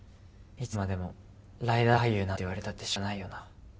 いつまでもライダー俳優なんて言われたってしかたないよな。